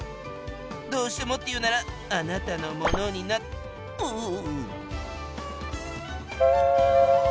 どうしてもっていうならあなたのものになうう。